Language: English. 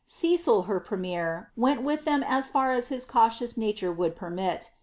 Cecil, her premier, went with them as far as his caatious nature would permit.